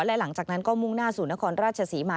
และหลังจากนั้นก็มุ่งหน้าสู่นครราชศรีมา